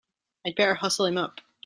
I'd better hustle him up!